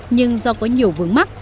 nhưng do có nhiều vướng mắt